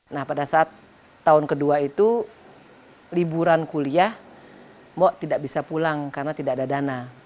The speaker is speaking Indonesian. nah pada saat tahun kedua itu liburan kuliah mok tidak bisa pulang karena tidak ada dana